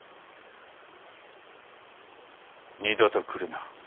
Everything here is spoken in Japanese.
二度と来るな。